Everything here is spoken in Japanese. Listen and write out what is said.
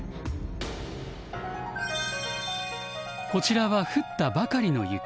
こちらは降ったばかりの雪。